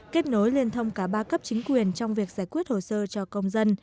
kết nối liên thông cả ba cấp chính quyền trong việc giải quyết hồ sơ cho công dân